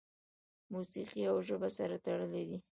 موسیقي او ژبه سره تړلي دي.